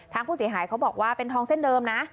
ทางผู้เสียหายเขาบอกว่าเป็นทองเส้นเดิมนะ